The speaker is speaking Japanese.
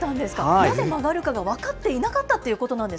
なぜ曲がるかが分かっていなかっそうなんです。